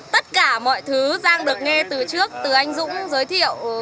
tất cả mọi thứ giang được nghe từ trước từ anh dũng giới thiệu